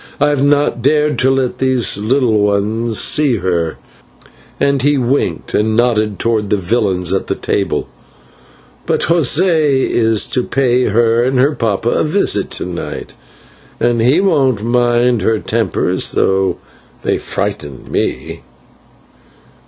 I have not dared to let these little ones see her," and he winked and nodded towards the villains at the table, "but José is to pay her and her papa a visit to night, and he won't mind her tempers, though they frighten me.